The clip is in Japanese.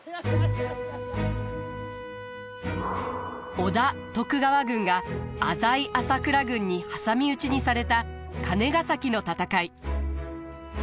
織田徳川軍が浅井朝倉軍に挟み撃ちにされた金ヶ崎の戦い。